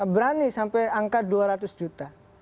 berani sampai angka dua ratus juta